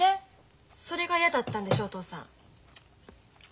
それが嫌だったんでしょお父さん。